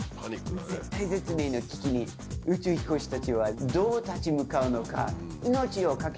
絶体絶命の危機に宇宙飛行士たちはどう立ち向かうのか？